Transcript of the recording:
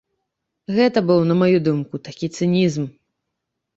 Гэта быў, на маю думку, такі цынізм.